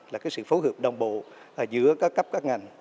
là cái sự phối hợp đồng bộ giữa các cấp các ngành